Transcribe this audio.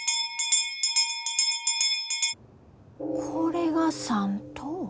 これが３等。